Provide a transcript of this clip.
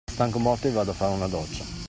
Sono stanco morto, vado a farmi una doccia.